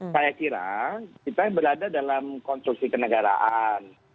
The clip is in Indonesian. saya kira kita berada dalam konstruksi kenegaraan